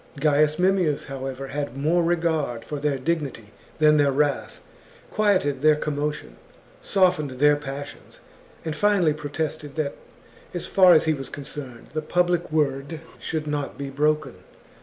Gaius Mem XXXIII. mius, however, had more regard for their dignity than their wrath, quieted their commotion, softened their passions, and finally protested that, as far as he was concerned, the public word should not be broken.